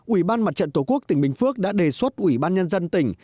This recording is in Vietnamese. ủy ban mặt trận tổ quốc tỉnh bình phước đã đề xuất ủy ban nhân dân tỉnh